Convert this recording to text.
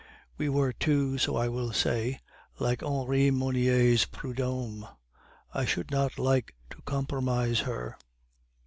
We were two, so I will say, like Henri Monnier's Prudhomme, "I should not like to compromise her!"